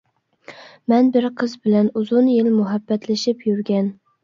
مەن بىر قىز بىلەن ئۇزۇن يىل مۇھەببەتلىشىپ يۈرگەن.